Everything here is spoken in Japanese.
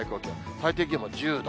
最低気温も１０度。